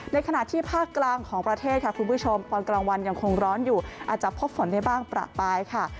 ขณะที่ภาคกลางของประเทศค่ะคุณผู้ชมตอนกลางวันยังคงร้อนอยู่อาจจะพบฝนได้บ้างประปายค่ะ